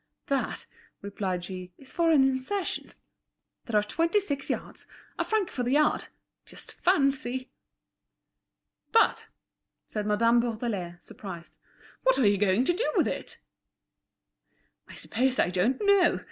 "That," replied she, "is for an insertion. There are twenty six yards—a franc the yard. Just fancy!" "But," said Madame Bourdelais, surprised, "what are you going to do with it?" "I'm sure I don't know.